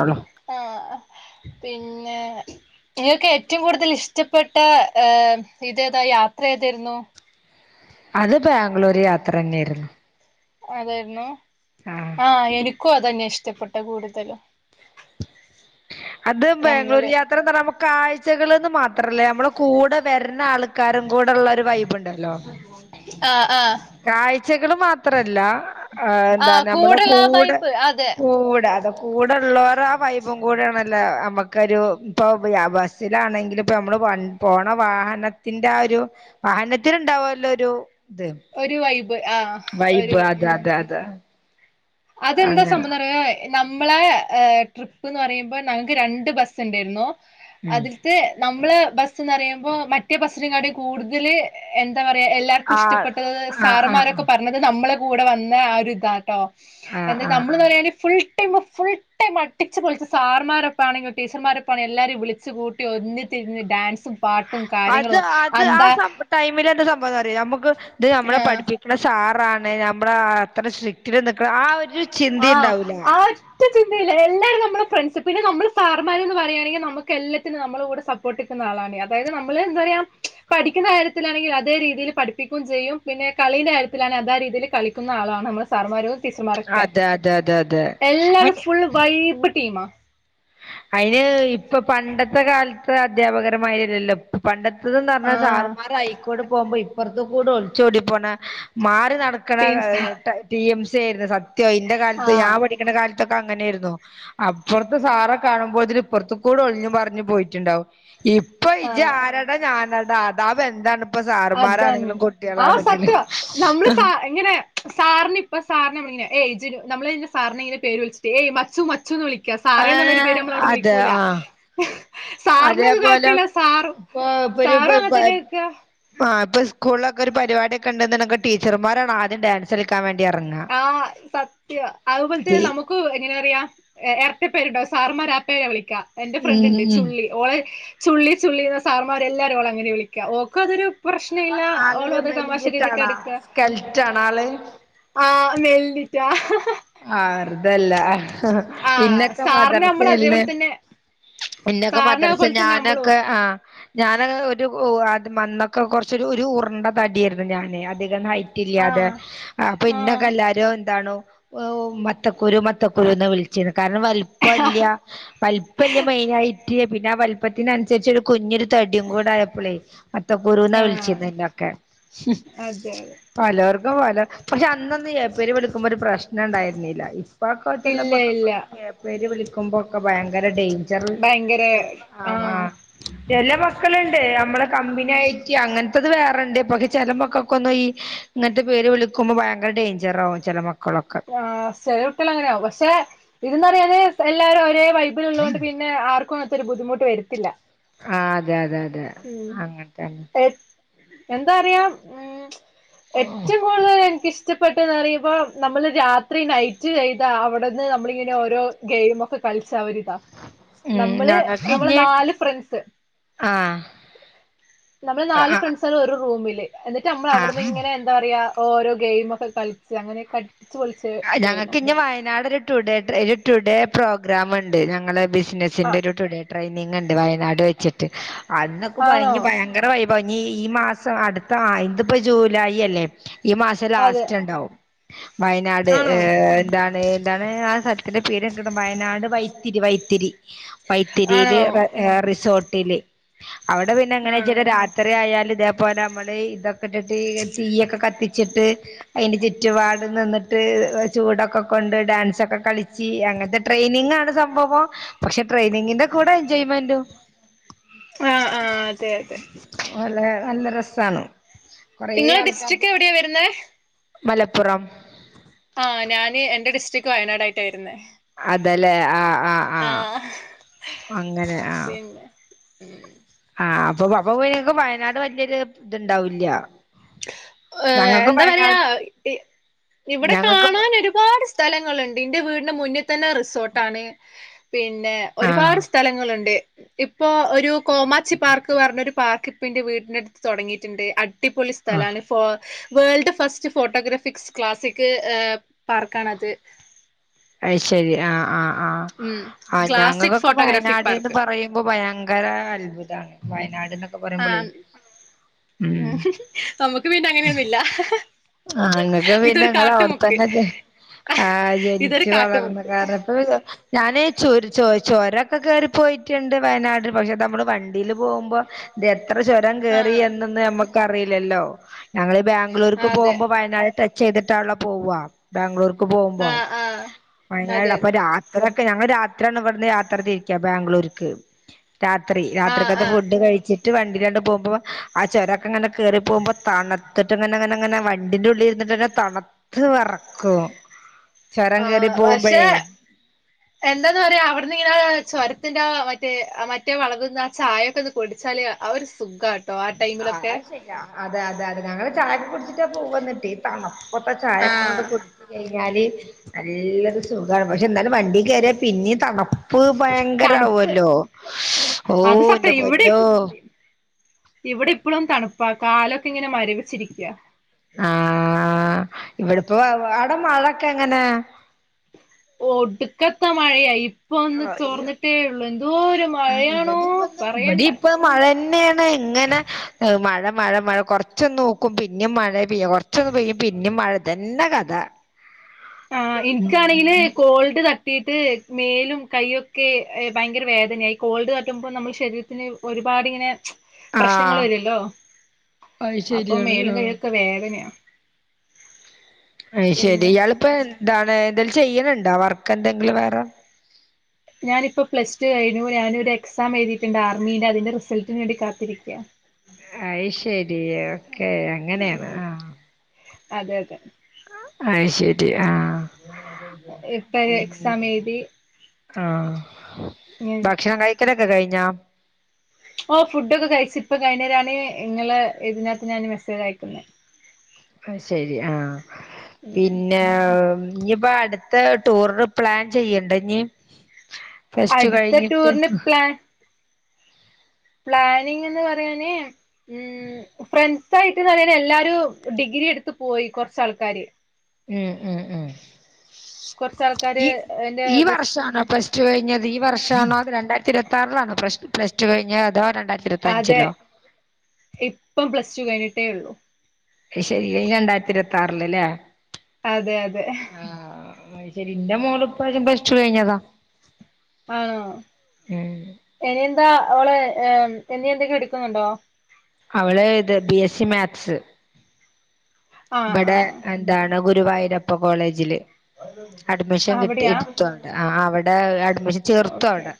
ആണോ. ആ പിന്നെ നിങ്ങൾക്ക് ഏറ്റവും കൂടുതൽ ഇഷ്ടപ്പെട്ട ഏ ഇത് ഏതാ യാത്ര ഏതെരുന്നു. അത് ബാംഗ്ലൂര് യാത്ര തങ്ങെ ആയിരുന്നു അതായിരുന്നു ആഹ് ആഹ്‌ എനിക്കും അതന്നെ ഇഷ്ടപ്പെട്ട കൂടുതലു അത് ബാംഗ്ലൂര് നമ്മള് യാ അത്ര നമ്മക്ക് കാഴ്ചകളന്ന് മാത്രല്ല നമ്മുടെ കൂടെ വര്ന്ന ആൾക്കാരും കൂടെ ഉള്ള ഒരു വൈബ് ഇണ്ടല്ലോ ആഹ് ആഹ് കാഴ്ചകൾ മാത്രല്ല എന്താ ആഹ് നമ്മള കൂടുള്ള ആ കൂടെ വൈബ് അതെ കൂടെ അത കൂടെ ഉള്ളോരെ ആഹ് വൈബും കൂടെയാണല്ലേ അമ്മ ക്ക് ഒരു ഇപ്പം ബസ്സിലാണെങ്കിൽ ഇപ്പം നമ്മൾ പോണ വാഹനത്തിന്റെ ആഹ് ഒരു വാഹനത്തിൽ ഉണ്ടാവുല്ലോ ഒരു ത് ഒരു വൈബ് ആഹ് വൈബ് ഒരു അതാ ഉം അതാ അതാ അതെന്താ സംഭവം എന്നറിയോ ഏ നമ്മളെ ട്രിപ്പ്ന്ന് പറയുമ്പോൾ ഞങ്ങൾക്ക് രണ്ട് ബസ്സ് ഉണ്ടായിരുന്നു ഉം അതിൽ നമ്മള് ബസ്ന്ന് അർങ്ങ്യപ്പോ മറ്റേ ബസിനെ കാട്ടും കൂടുതൽ എന്താ പറയാ എല്ല ആഹ് ഇഷ്ടപ്പെട്ടത് ആഹ് ആഹ് ആഹ് സാറമാരൊക്കെ പറ ത് നമ്മളുടെ കൂടെ വന്ന ആഹ് ഒരു ഇതാട്ടോ ആഹ് എന്ത ആഹ് നമ്മള്ന്ന് ആഹ് പറഞ്ഞ ഫുൾ ടൈം ഫുൾ ടൈം മട്ടിച്ച് പൊളിച്ച് സാർമാരൊപ്പം ആണെങ്കിലും ടീച്ചർമാരൊപ്പാെ ആണെല്ലും എല്ലാരും വിളിച്ച് കൂട്ടി ഒന്നിച്ചിരുന്ന് ഡാൻസും പാട്ടും അത് കാര്യങ്ങളും അത് അന്താ ആഹ് സമ ടൈമിൽ എന്ത സംഭവം എന്ന് പറയുവോ നമുക്ക് ഇത് നമ്മളെ ആഹ് പഠിപ്പി ടെ സാറാണ് നമ്മള അത്ര സ്ട്രിക്റ്റില് നിക്കണ ആഹ് ഒരു ചിന്തി ആഹ് ഉണ്ടാവൂല ആഹ് ഒറ്റ ചിന്തയില്ല എല്ലാരും നമ്മുടെ ഫ്രണ്ട്സ് പിന്നെ നമ്മള് സാർമാർ പറയയാണെങ്കിൽ നമുക്ക് എല്ലാത്തിനും നമ്മളെ കൂടെ സ ട്ടിക്കുന്ന ആളാണ് അതായത് നമ്മൾ എന്താ പറയാ പഠിക്കുന്ന കാര്യത്തിലാണെങ്കിൽ അതേ രീതിയിൽ പഠിപ്പിക്കും ചെയ്യും പിന്നെ കളീന്റെ കാര്യത്തില് അതെ രീതിയിൽ കളിക്കുന്ന ആളാണ് നമ്മൾ സാർമാരും ടീച്ചർമാരൊക്കെ അതെ അതെ അതെ അതെ ഫുള്ള് വൈബ് ടീമാ അയിന് ഇപ്പൊ പണ്ടത്തെ കാലത്തെ അദ്ധ്യാപകരമാരില്ലല്ലോ പണ്ടത്തത് ന്ന് പറഞ്ഞാൽ ആഹ് സാറമാരായി പോകുമ്പോ ഇപ്പറ്ത്ത് കൂടെ ഒളിച്ച് ഓടി പോണ മാറി നടക്കണ ടീംസാ ടി എം സി സത്യോ ഇന്റെ കാലത്ത് ഞാൻ ആഹ് പഠി കാലത്തൊക്കെ അങ്ങനെയായിരുന്നു അപ്പറത്തെ സാറൊ കാണുമ്പോതിന് പോറ്ത്തു കൂടെ ഒഴിഞ്ഞു പറഞ്ഞു പോയിട്ടുണ്ടാവും ഇപ്പൊ ഇജ് ആഹ് ആരാ ഞാനട അതാ ബന്ധാണ് ഇപ്പൊ അതന്നെ സാറുമാരാണെങ്കിലും ആഹ് കുട്ടികളാണെങ്കിലും സത്യ നമ്മള് സ ഇങ്ങനെ സാറിന് ഇപ്പ സാറിനെ നമ്മള് ഇങ്ങനെ ഏയ് ജിനു നമ്മള് സാറിനെ ഇങ്ങനെ പേര് വിളിച്ചിട്ട് ഏയ് മച്ചു മച്ചുന്ന് വിളി സാറേ ഏ എന്നുളെളാരു പേര് നമ്മള് അവിടെ അതെ വിളിക്കൂല്ല ആ അതേപോലെ സാറും ഇപ്പൊ ഇപ്പോരു സാറും ബ അങ്ങനെ ബ തന്നെ നിക്കാ ആഹ് ഇപ്പ സ്കൂളിലൊക്കെ ഒരു പരിപാടിയൊക്കെ ഉണ്ടുന്നുണ്ടെ ടീച്ചർമാരാണ് ആദ്യം ഡാൻസ് [unintelligible] ക്കാ വേണ്ടി ഇറങ്ങാ ആഹ് സത്യം അതുപോലെ തി തന്നെ നമു മുക്കും എങ്ങനെ പറയാ ഇരട്ട പേരുണ്ടാകും സാറമാര ആഹ് പേര വിളിക്കാ എന്റെ ഫ്രണ്ട് ഉം ഇണ്ട് ഉം ചുള്ളി ഓളെ ചുള്ളി ചുള്ളിന്ന് സാർമാരെ എല്ലാരും ഓളങ്ങനാ വിളിക്കാ ഓക്ക് അതൊരു പ്രശ്നം ഇല്ല ഓളത് തമാശ രീതിക്ക് എട്ക്കാ കെൽറ്റാണാള് ആഹ് മെല്ല്ഞ്ഞിറ്റാ ആഹ് വെർതല്ല ആ ഇന്നൊക്കെ സാറിന് നമ്മൾ മദർസെൽന്ന് അതേപോലെ തന്നെ ഇന്നൊക്കെ സാറിന് മദർസനെ അതുപോലെ തന്നെ നമ്മളും ഞാനൊക്കെ ആഹ് ഞാൻ ഒരു അത് മന്നൊക്കെ കുറച്ചൊരു ഒരു ഉർണ്ട തടിയായിരുന്നു ഞാന് അധികം ഹൈറ്റ് ആ തിരിയാതെ അപ്പൊ ആ ഇന്നൊക്കെ എല്ലാരും എന്താണ് മത്തക്കുരു മത്തക്കുരുന്ന് വിളിച്ചിരു കാരണം വല് ആ പ്പല്യ വലിപ്പല്യ മെയിനായിട്ട് പിന്നെ ആഹ് വലപ്പത്തിനനുസരിച്ച് ഒരു കുഞ്ഞൊരു തടിയും കൂടെ ആയപ്പോളേ മത്തകുരുന്നാ വിളിച്ചിരുന്നെ ഇന്നെയൊക്കെ അതെ അതെ പലോർക്കും പല, പക്ഷെ അന്നൊന്നും ഏ പേര് വിളിക്കുമ്പോ ഒരു പ്രശ്- നെണ്ടായിര്ന്നില്ല. ഇപ്പൊക്കെ ചെല ഇല്ല ഇല്ല മക്കക്ക് ഏ പേര് വിളിക്കുമ്പോക്കെ ഭയങ്കര ഡെയിം- ജറുൽ ഭയങ്കര ആ ആഹ് ആഹ്. എല്ലാം വെക്കലുണ്ട് അമ്മളെ കമ്പിനിയായിട്ട് അങ്ങനത്തത് വേറെണ്ട്. പക്കെ ചെലമക്കക്കൊന്നും ഈ ഇന്ന്ട്ട് പേര് വിളിക്കുമ്പോ ഭയങ്കര ഡേയ്ഞ്ചറാവും ചെല മക്കളൊക്കെ. ആഹ് സെലകുട്ട്യാളങ്ങനാവും വസ്സേ ഇതൊന്നറിയാതെ എല്ലാരും ഒരേ വൈബ് ല്ള്ളോണ്ട് പിന്നെ ആർക്കും അങ്ങൻത്തൊര് ബുദ്ധിമുട്ട് വരത്തില്ല. ആഹ് അതെ അതെ അതെ. ഇമ് അങ്ങനത്തന്നെ എ എന്താറിയ മ് എറ്റോം കൂടുതല് എനിക്ക്ഷ് - ച്ച്പ്പെട്ട്ന്നറയുമ്പോ നമ്മള് രാത്രി നൈറ്റ് ചെയ്ത അവടന്ന് നമ്മളിങ്ങനെ ഓരോ ഗെയിമൊക്കെ കളിച്ചാവൊരിതാ ഉം നമ്മള് ഞങ്ങക്ക് നമ്മള് ഇനി നാല് ഫ്രണ്ട്സ്, ആഹ്. നമ്മള് നാല് ആഹ് ഫ്രണ്ട്സാള് ഒരു റൂമില് എന്നിട്ട് നമ്മള് ആഹ് അവിടുന്ന് ഇങ്ങനെ എന്താ പറയാ ഓരോ ഗെയിമൊക്കെ കളിച്ച്, അങ്ങനെക്കെ അടിച്ച്പൊളി- അഹ് ഞങ്ങക്ക്ഞ്ഞ് വയനാടൊര് ടുഡേ ട്രെ ഒരുടുഡേ പ്രോഗ്രാമ്ണ്ട് ഞങ്ങളെ ബിസിനസ് - പശെ ആ ഇന്റൊരു ടുഡേട്രെയിനിങ്ണ്ട് വയനാട് വെച്ച്ട്ട്. അന്നൊക്കെ ആണോ [unintelligible] വേറെ വൈബാവും ഞ്ഞീ ഈ മാസം അടുത്ത ആ, ഇത്പ്പൊ ജൂലായി അല്ലെ? ഈ മാഷം അതെ ലാസ്റ്റ്ണ്ടാവും. വയനാട് ഏ ആണോ എന്താണ് എന്താണ് ആ സലത്തിന്റെ പേര്! വയനാട് വൈത്തിരി വൈത്തിരി. വൈത്തിരീല് ആണോ റെ ഏ റിസോർട്ടില്. അവടെ പിന്നെ ആ എങ്ങാനോയ്ച്ചാല് രാ- എത്തറേയാലും ഇതേ പോലമ്മള് ഇതൊക്കെട്ടിട്ട് തീയൊക്കെ കത്തി- ച്ച്ട്ട് അയിന്റെ ചുറ്റുപാടും നിന്ന് - ത്ത് ചൂടൊക്കെ കൊണ്ട് ഡാൻസൊക്കെ കളിച്ചി അങ്ങനത്തെ ട്രെയിനിങ്ങാണ് സംഭവം. പക്ഷെ ട്രെയിനിങ്ങിന്റെ കൂടെ എൻജോയ്മെന്റും ആ ആ അതെ അതെ ഓലേ നല്ല രസാണ്. കൊറേ നിങ്ങളെ ആൾക്കാർ ഡിസ്ട്രിക്റ്റ് എവടെയാ വരുന്നേ? മലപ്പുറം. ആഹ് ഞാന് എന്റെ ഡിസ്ട്രിക്ക് വയനാടായിട്ടാ വരുന്നെ. അതലേ. ആഹ് ആഹ് ആഹ് അങ്ങനെ ആഹ് [inaudible] ആഹ് അപ്പൊ പപ്പൊ പിന്നെങ്ങക്ക് വയനാട് വല്ല്യോര് ഇത്ണ്ടാവൂല്ല്യ. ഏഹ് എന്താ പറയാ ഇ ഇവിടെ ഞങ്ങക്ക് കാണാനൊരു രുപാട് സ്ഥലങ്ങള്ണ്ട്. ഇന്റെ വീട്ന്റെ മുന്ന്ത്തെന്നെ റിസോട്ടാണ്. പിന്നെ ആഹ് ഒരുപാട് സ്ഥലങ്ങള്ണ്ട്. ഇപ്പൊ ഒരു കോമാച്ചി പാർക്ക് പറഞ്ഞൊരു പാർക്ക് ഇപ്പന്റെ വീടിന്റെട്ത്ത് തൊടങ്ങീട്ട്ണ്ട്. അടിപൊളി സ്- ആ സ്ഥലാണ്. ഫോ വേൾഡ് ഫസ്റ്റ് ഫോട്ടോഗ്രാഫിക്സ് ക്ലാസിക് ഏ പാർക്കാണത്. അയ് ശെരി ആഹ് ആഹ് ആഹ്.. ഉം ആ ക്ലാസിക് ഞങ്ങക്കൊക്കെ ഫോട്ടോഗ്രാഫിക് വയനാട്ന്ന് പാർക്ക് പറയു ബൊ ഭയങ്കര അത്ഭുതാണ് വയനാട്ന്നൊക്കെ പറയുംബളേ. ആഹ് നമ്മക്ക് പിന്നെ അങ്ങനെന്നും ഇല്ല.. ആഹ് ഇങ്ങക്ക് പിന്നെ ഇങ്ങളവടത്തന്നെ ജെ ആഹ് ഇതൊരു ജനിച്ചു വളർന്ന കാട്ടുമുക്ക് കാരത്ത് ഞാനേ ചുര് ചൊര് ചൊരൊക്കെ കേറിപ്പൊയ്ട്ട്ണ്ട് വയനാട് പഷേ ഇതമ്മള് വണ്ടീല് പോവുമ്പോ, ഇത് എത്ര ചൊരം കേറി ആഹ് എന്നൊന്നും ഞമ്മക്കറീലല്ലോ. ഞങ്ങള് ബാ- ക്ക് അതെ പോവുമ്പോ വയനാട് ടച്ചെയ്ത്ട്ടാണല്ലോ പോവാ. ബാംഗ്ലൂർക്ക് പോവുമ്പോ, ആഹ് ആഹ് അതെ വയനാടപ്പൊ അതെ രാ- രൊക്കെ ഞങ്ങള് രാത്രാന്ന്‌ പറഞ്ഞത് രാത്ര തിരിക്ക ബാംഗ്ലൂർക്ക്. രാത്രി. ആഹ് രാത്രിക്കത്തെ ആഹ് ഫുഡ് കഴിച്ചിട്ട് വണ്ടിലണ്ട് പോമ്പോ ആ ചൊരൊക്കെങ്ങനെ കേറിപോവുമ്പോ തണ്ത്ത്ട്ട്ങ്ങനെങ്ങനെ ങ്ങനെ വണ്ടിന്റുള്ളിലിര്ന്ന്ട്ടെന്നെ തണ്ത്ത് വെറക്കും. ചുരം കേറി ആഹ് പോകുമ്പോഴേ പക്ഷേ.. എന്താന്ന് പറയാ അവിട്ന്ന്‌ങ്ങനെ.. ചുരത്തിന്റെ ആ മറ്റേ അ മറ്റേ വളവ്ന്ന്ആ ചായൊക്കൊന്ന് പൊടിച്ചാല് അരു സുഖാണ് ആഹ് അത്ശരിയാ അത് അത് അത് ഞങ്ങള് ചായൊക്കെ കുടിച്ചിട്ടാ പോവ്വാന്ന്ട്ടേ [unintelligible] ഇപ്പത്തെ ചായക്കോണ്ട് ആഹ് ട്ട്കുടി കഴിഞ്ഞാല് നല്ലോരുസുഖാ പക്ഷേന്നാലും വണ്ടീകേറിയ പിന്നീം തണ് പ്പ് തണുപ്പ് ഭയങ്കരാവോല്ലോ [inaudible] അത് ഓന്റെ സത്യം ഇവിടെ പൊന്നോ ഇവിടെ ഇപ്പളും തണുപ്പാ.. കാലൊക്കെങ്ങനെ മരിവിച്ചിരിക്ക്യ ആഹ് ഇവിടെപ്പൊ അവടെ മഴൊക്കെങ്ങനെ ഒട്ക്കത്ത മഴയായി ഇപ്പന്ന് ചോർന്നിട്ടേയുള്ളു. എന്തോരു മഴയാണോ... പറയണ്ട മഴന്നേണ് ങ്ങനെ മഴ മഴ മഴ കുറചൊന്നോ ർക്കും പിന്നേം മഴ പെയ്യ കൊറ ച്ചൊക്ക് പെയ്യും പിന്നെ മഴതന്നെ കഥ ആഹ് ഉം ഇൻക്കാണെങ്കില് കോൾഡ് തട്ടീട്ട് മേലുംകയ്യൊ ക്കെഎ ഭയങ്കര വേദനയാ ഈ കോൾഡ് തട്ടുമ്പോ നമ്മള് ശരീരത്തി [inaudible] ഒരുപാടിങ്ങനെ.. ജ് ആഹ് പ്രശ്നങ്ങള് വരുല്ലോ അത് അപ്പൊ ശരിയാണ് മേലും ആഹ് കൈയൊക്കെ വേദനയാ അഹ് ശെരി പിന്നെ ഇയാളിപ്പൊന്താണ് എന്തേലും ചെയ്യണ്ണ്ണ്ടൊ വർക്കെന്തെങ്കിലും വേറെ ഞാനിപ്പൊ പ്ലസ് ടു കഴുഞ്ഞു ഞാൻ ഒരു എക്സാം എഴുതിട്ടുണ്ട് ആർമീന്റെ അതിന്റെ റിസൾട്ടിന് വേണ്ടി കാത്തിരിക്ക അയ് ശരി.. ഓക്കെ അങ്ങനെയാണോ ഉം അതെ അതെ അഹ് ശരി ആ... ഇപ്പൊഴ്ക്സാമെഴുതി ആഹ് ഇരിക്ക ഭക്ഷണം കഴിക്കലൊക്കെ കഴിഞ്ഞോ ഓ ഫുഡോക്കെ കഴിച്ച് ഇപ്പൊ കഴിഞ്ഞേ ഞാൻ നിങ്ങള്തിനകത്ത് ഞാൻ മെസ്സേജയക്കുന്നുന്ന ഐശെരി ആഹ് ഉം പിന്നെ ഇഞ്ഞിപ്പോ അടുത്ത ടൂറിന് പ്ലാൻ ചെയ്യണ്ടേ ഇഞ്ഞി പ്ലസ് ടു അടുത്ത കഴിഞ്ഞിട്ട്ഹ് ടൂറിന് മ് പ്ലാനിങ്ന്ന് പറയാന് ഉം ഫ്രണ്ട് [inaudible] എല്ലാരും ഡിഗ്രിയെടുത്ത് പോയി കുറച്ചാൾക്കാര് ഉം ഉം ഉം കൊറച്ചാൾക്കാര് ഈ എന്റെ ഈ ബെസ്റ്റ് വർഷാണോ പ്ലസ് ടു കഴിഞ്ഞത് ഈ വർഷാണോ അതോരണ്ടായിരത്തി ഇരുപത്തി പത്താറിലാണോ പ്ലസ് പ്ലസ് ടു കഴിഞ്ഞെ അതോ രണ്ടരത്തിരു അതെ ഇപ്പം പ്ലസ് ടു കഴിഞ്ഞിട്ടേയു ള്ളു അയ് ശരിഅയ് രണ്ടായിരത്തിരുവ ത്താറില് ല്ലേ അതെ അതെ ഹ് ഹ തിലിന്റെ മോളിപ്രാവശ്യം പ്ലസ് ടു കഴിഞ്ഞതാ ആഹ്.. ഉം ഇനി എന്താ ഓള് ഏമ് എനി എന്തെങ്കിലും എടുക്ക്ന്ന്ണ്ടൊ അവള് ത് ബി എസ് സി മാത്സ്... ആഹ് ഇബടെ ആഹ് [inaudible] താണ് ഗുരുവായൂരപ്പ കോളേജില് അഡ്മിഷൻ അവിടെയാ കിട്ടിഇട്ത്തുവിടെ ആ അവിടെ അഡ്മിഷൻ ചേർത്തുവിടെ.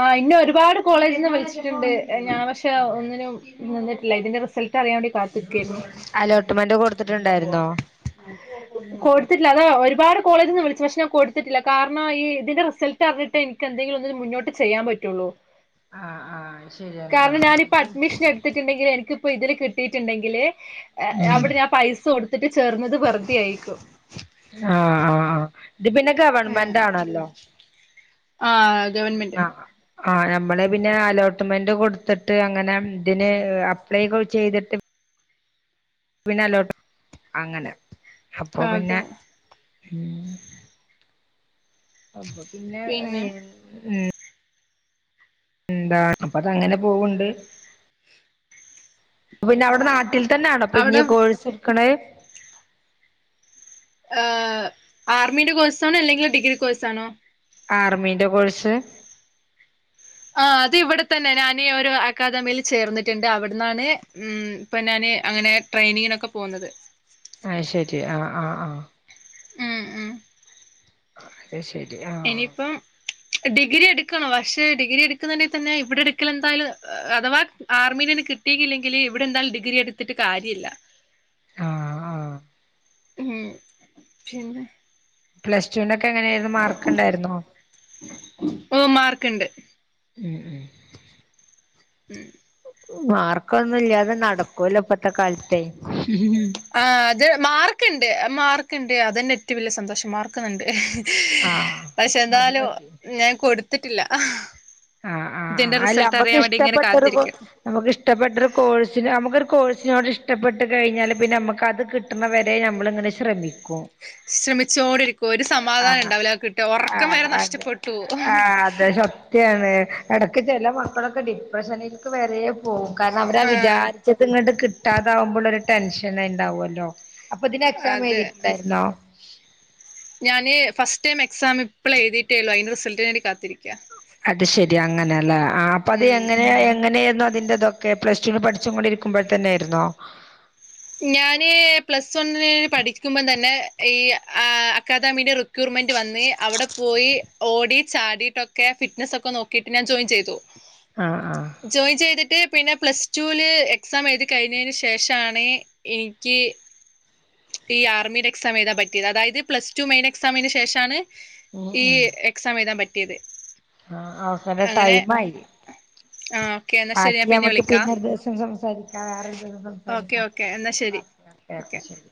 ആ ഇന്നെ ഒരുപാട് കോളേജിന്ന് വിളിച്ചിട്ടുണ്ട് ഞാൻ പക്ഷെ ഒന്നിനും ന്നിന്നിട്ടില്ല ഇതിന്റെ റിസൾട്ട് അറിയാവേണ്ടി കാത്തിക്കായിരുന്നു അലോട്ട്മെന്റ് കൊടുത്തിട്ടുണ്ടായിരുന്നോ? [inaudible] കൊട് ത്തില്ല അതോ ഒരുപാട് കോളേജിന്ന് വിളിച്ചു പക്ഷെ ഞാൻ കൊടുത്തിട്ടില്ല കാരണം ഈ ഇതിന്റെ റിസൾട്ടറിഞ്ഞിട്ട് എനിക്ക് ക്കെന്തേങ്കിലു ഒന്നിന് മുന്നോട്ട് ചെയ്യാൻ പറ്റുള്ളൂ അ ആ ആഹ് ശരിയ ആഹ് [inaudible] ണ്ടെങ്കില് എനിക്ക് പ്പൊ ഇതില് കിട്ടീട്ട് ണ്ടെങ്കില് എ ഉം അവിടെ [inaudible] പൈസൊടുത്തിട്ട് ചേർന്നത് വെറുതെയായിരിക്കും ആഹാ ഇത് പിന്നെ ഉം ഗെവൺമെന്റാണല്ലോ ആഹ് ഗവൺമെന്റ് ആഹ് ആ ഞമ്മള് പിന്നെ അലോട്ട്മെന്റ് കൊട്ത്ത്ട്ട് അങ്ങനെ ഇതിന് അപ്ലൈ ചെയ്തിട്ട് പിന്ന അലൗട്ട് അങ്ങനെ അപ്പൊ പിന്നെ അതെ ഉം അപ്പൊ പിന്നെ ഇൻ ഉം എന്താ അപ്പതങ്ങനെ പോവ്ണ്ട് അപ്പപിന്നെ അവിടെ ഓക്കെ നാട്ടിൽ തന്നെണോപ്പൊ അവിടെ ഇഞ്ഞ് കോഴ്സ്ട്ക്ണേ? ഏഹ് ആർമിന്റെ കോഴ്സാണോ? അല്ലെങ്കി ഡിഗ്രി കോഴ്സാണോ? ആർമീന്റെ കോഴ്സ് ആഹ് അത് ഇവിടെ തന്നെ ഞാന് ഒരു അക്കാദമിയിൽ ചേർന്ന്ട്ട്ണ്ട് അവ്ട്ന്നാണ് ഉം ഇപ്പനാന് അങ്ങനെ ട്രെെ നീനൊക്കെ പോവുന്നത് അത് ശെരി ആഹ് ആഹ് ആഹ് ഉം ഉം അശരി ആഹ് ഇനിയിപം ഡിഗ്രി എടുക്കണോ പശേ ഡിഗ്രി എടുക്കുന്നങ്കി തന്നെ ഇവിടെ എടുക്കൽ എന്തായാലു അതവാ ആർമിൽ കി ട്ടില്ലെങ്കില് ഇവിടെന്താലും ഡിഗ്രി എടുത്തിട്ട് കാര്യല്ല ആഹാ ആഹാ ഉം പിന്നെ പ്ലസ്റ്റുവിന്റെക്കെ എങ്ങനേര്ന്നു മാർക്ക് ഇണ്ടായിര്ന്നോ ഓഹ് മാർക്ക്ണ്ട് ഉം ഉം ഉം മാർക്കൊന്നുംല്ലാതെ നടക്കൂല ഇപ്പത്തെ കാലത്തെ ആ അത് മാർക്ക്ണ്ട് മാർക്ക്ണ്ട് അതന്നെ ഏറ്റവും വല്യ സന്തോഷം മാർകൊക്കെണ്ട് ആഹ് പശേ അത് എന്താലു മതി ഞാൻ കൊടുത്തിട്ടില്ല ആഹ് ആഹ് ആ ഇതിന്റെ അല്ല റിസൾട്ട് നമ്മക്ക് അറിയാൻ വേണ്ടി ഇങ്ങനെ ഇഷ്ടപ്പെട്ടൊരു കോ കാത്തിരിക്കാണ് നമുക്ക് ഇഷ്ടപ്പെട്ടൊരു കോഴ്സിന് നമുക്ക് ഒരു കോഴ്സിനോട് ഇഷ്ടപ്പെട്ട് കഴിഞ്ഞാല് പിന്നെ നമുക്കത് കി കിട്ടണവരെ നമ്മളിങ്ങനെ ശ്രമിക്കു. ശ്രമിച്ചോണ്ടിരിക്കു ഒരു സമാധാനം ഉണ്ടാവില്ല കിട്ടുക ഉറക്കം ആഹ് വരെ അതെ നഷ്ടപ്പെട്ടു പോവു. ആഹ് അതെ സത്യാണ് എടക്ക് ചെല മക്കളൊക്കെ ഡിപ്രഷനിൽക്ക് വെരെ പോ വും കാരണവരാ ആഹ് വിചാരിച്ചത്ങ്ങട്ട് കിട്ടാതെ ആവുമ്പളെളാരു ടെൻഷന്ണ്ടാവൊല്ലോ അപ്പതിന് എക്സാം അതെ എഴുതിട്ടുണ്ടായിരുന്നോ? ഞാന് ഫസ്റ്റ് ടൈം എക്സാം ഇപ്പളെഴുതിട്ടേള്ളൂ അയിന്റെ റിസൾട്ട്ന് വേണ്ടി കാത്തിരിക്കാ അത് ശെരി അങ്ങനെയല്ലേ. ആ അപ്പ അത് ഉം എങ്ങനെയ എങ്ങനേരുന്നു അതിന്റെതൊക്കെ പ്ലസ്ടുന് പഠിച്ചും കൊണ്ടിരിക്കുമ്പോ തന്നെയായിരുന്നോ? ഞാന് പ്ലസ് വണ്ണ്ന് പഠിക്കുമ്പം തന്നെ ഈ അക്കാദമിയുടെ റി ക്യൂർമെന്റ് വന്ന് അവിടെ പോയി ഓടി ചാടിട്ടൊക്കെ ഫിറ്റ്നസ് ഒക്കെ നോക്കിട്ട് ഞാൻ ജോയിൻ ചെയ്തു. ആഹാ ആഹ് ജോയിൻ ചെയ്ത്ട്ട് പിന്നെ പ്ലസ് ടൂല് എക്സാം എഴുതി കഴിഞ്ഞേന് ശേഷാണ് എനിക്ക് ഈ ആർമിടെ എക്സാം എഴുതാൻ പറ്റിയത് അതായത് പ്ലസ്ടു മെയിൻ എക്സാമിന് ശേഷാ ണ് ഉം ഈ എക്സാം എഴുതാൻ പറ്റിയത് ആ അവരെ അങ്ങനെ ടൈം ആയി ആ ഓക്കെ എന്നാ ശരി ബാക്കി ഞാൻ പിന്നെ നമക്ക് വിളിക്കാം പിന്നരു ദിവസം സംസാരിക്കാം വേറൊരു ദിവസം ഓക്കെ സംസാരിക്കാം ഓക്കെ എന്നാ ആ ശരി ഓക്കെ ഓക്കെ ശരി